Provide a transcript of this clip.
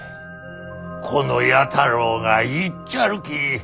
この弥太郎が行っちゃるき。